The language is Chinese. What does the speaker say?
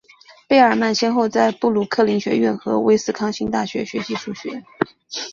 贝尔曼先后在布鲁克林学院和威斯康星大学学习数学。